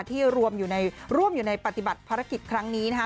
ที่ร่วมอยู่ในปฏิบัติภารกิจครั้งนี้นะคะ